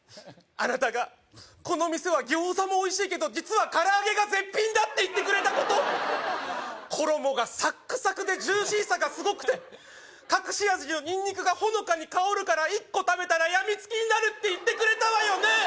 あなたがこの店はギョーザもおいしいけど実は唐揚げが絶品だって言ってくれたこと衣がサックサクでジューシーさがすごくて隠し味のニンニクがほのかに香るから１個食べたらやみつきになるって言ってくれたわよね